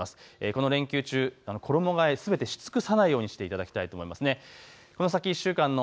この連休中の衣がえ、すべてし尽くさないようにしていただきたいと思いますね。